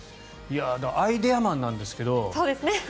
アイデアマンなんですけど。